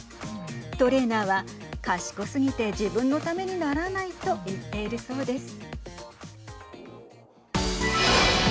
トレーナーは賢すぎて自分のためにならないと言っているそうです。